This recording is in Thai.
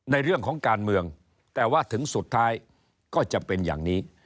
ในเรื่องของการเมืองแต่ว่าถึงสุดท้ายก็จะเป็นอย่างนี้